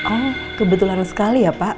oh kebetulan sekali ya pak